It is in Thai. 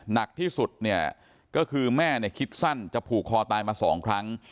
หนักที่สุดเนี่ยก็คือแม่เนี่ยคิดสั้นจะผูกคอตายมา๒ครั้ง